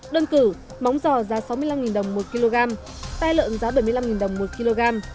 đơn cử móng giò giá sáu mươi năm đồng một kg tai lợn giá bảy mươi năm đồng một kg